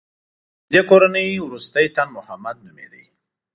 د دې کورنۍ وروستی تن محمد نومېده.